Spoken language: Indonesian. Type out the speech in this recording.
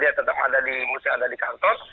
dia tetap ada di musim ada di kantor